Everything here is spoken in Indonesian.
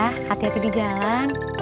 hati hati di jalan